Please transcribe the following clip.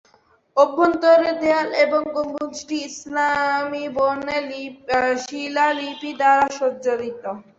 অভ্যন্তরের দেয়াল এবং গম্বুজটি ইসলামী বর্ণের শিলালিপি দ্বারা সজ্জিত।